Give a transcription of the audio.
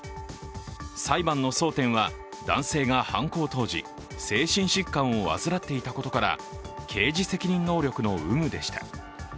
裁判の争点は、男性が犯行当時精神疾患を患っていたことから刑事責任能力の有無でした。